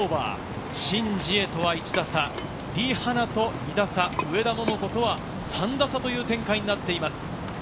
シン・ジエとは１打差、リ・ハナと２打差、上田桃子とは３打差という展開になっています。